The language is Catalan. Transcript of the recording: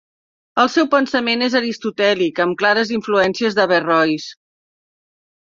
El seu pensament és aristotèlic, amb clares influències d'Averrois.